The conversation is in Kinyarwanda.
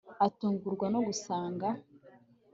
atungurwa no gusanga……… …………